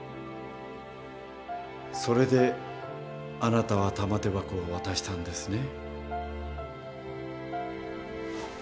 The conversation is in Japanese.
それであなたは玉手箱を渡したんですね？